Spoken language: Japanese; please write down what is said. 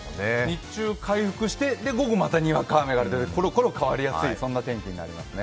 日中回復して、午後またにわか雨があるという、ころころ変わりやすい天気になりそうですね。